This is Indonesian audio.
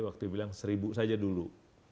waktu bilang seribu saja dulu